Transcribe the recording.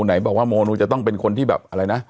ไหนบอกว่าโมนูจะต้องเป็นคนที่แบบอะไรนะ